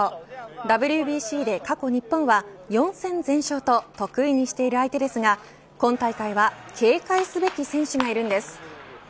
ＷＢＣで、過去日本は４戦全勝と得意にしている相手ですが今大会は警戒すべき選手がいるんです。